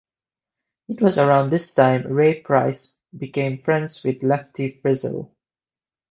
It was around this time Ray Price became friends with Lefty Frizzell.